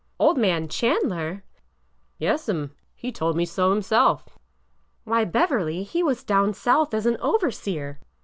Old man Chandler !" '^Yes'm. He told me so himself." '' Why, Beverly, he was down South as an overseer